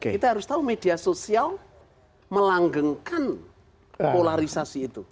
kita harus tahu media sosial melanggengkan polarisasi itu